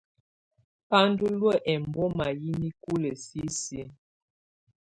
Ba ndù ɔlɔ ɛmbɔma yi nikulǝ sisiǝ̀.